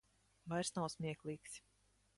Vairs nav smieklīgs.